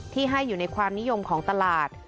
ให้อยู่ในความนิยมของตลาด